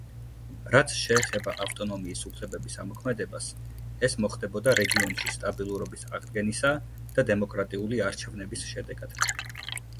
რაც შეეხება ავტონომიის უფლებების ამოქმედებას ეს მოხდებოდა რეგიონში სტაბილურობის აღდგენისა და დემოკრატიული არჩევნების შედეგად.